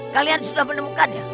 kalian sudah menemukannya